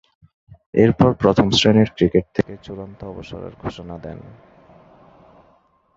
এরপর প্রথম-শ্রেণীর ক্রিকেট থেকে চূড়ান্ত অবসরের ঘোষণা দেন।